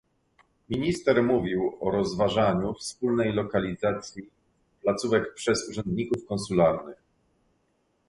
Minister mówił o rozważaniu wspólnej lokalizacji placówek przez urzędników konsularnych